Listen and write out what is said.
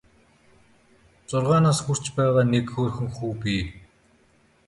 Зургаан нас хүрч байгаа нэг хөөрхөн хүү бий.